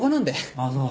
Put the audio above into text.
あっそう。